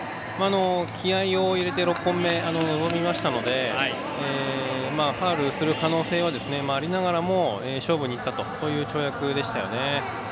気合いを入れて６本目に臨みましたのでファウルする可能性はありながらも勝負にいったという跳躍でしたね。